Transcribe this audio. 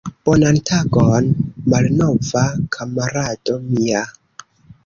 Bonan tagon, malnova kamarado mia!